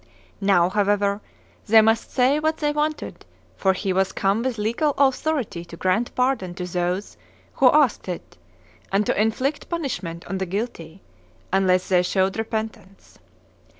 Now, however, they must say what they wanted, for he was come with legal authority to grant pardon to those who asked it, and to inflict punishment on the guilty, unless they showed repentance.